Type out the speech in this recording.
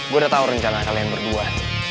gue udah tau rencana kalian berdua